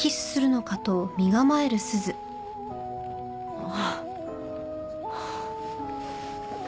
ああ。